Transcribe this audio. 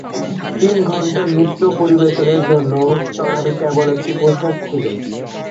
তিন ঘন্টার নৃত্য পরিবেশনের জন্য তাঁর কেবল একটি পোশাক ছিল।